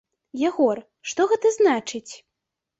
Ягор, што гэта значыць?